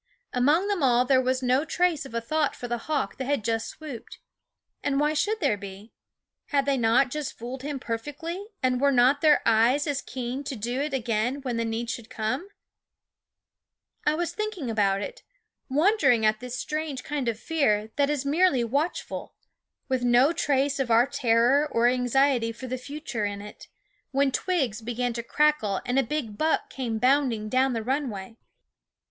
Among them all there was no trace of a thought for the hawk that had just swooped. And why should there be ? Had they not just fooled him perfectly, and were not their eyes as keen to do it again when the need should come ? I was thinking about it, wondering at this strange kind of fear that is merely watchful, with no trace of our terror or anxiety for the future in it, when twigs began to crackle and a big buck came bounding down the runway.